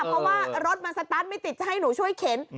เพราะว่ารถมันสตาร์ทไม่ติดจะให้หนูช่วยเข็น